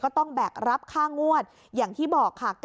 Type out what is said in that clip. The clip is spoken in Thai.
ต้องแบกรับค่างวดอย่างที่บอกค่ะ